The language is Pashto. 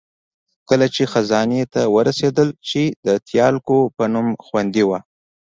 کله چې خزانې ته ورسېدل، چې د تیالکو په نوم خوندي وه.